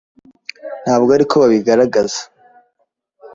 ntabwo ari ko babigaragaza